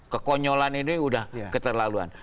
kekonyolan ini udah keterlaluan